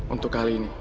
untuk kali ini